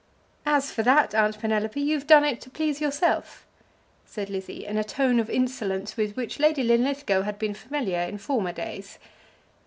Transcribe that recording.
"As for that, Aunt Penelope, you've done it to please yourself," said Lizzie, in a tone of insolence with which Lady Linlithgow had been familiar in former days.